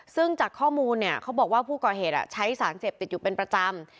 ซึ่งจากข้อมูลเนี่ยเขาบอกว่าผู้ก่อเหตุใช้สารเสพติดอยู่เป็นประจำ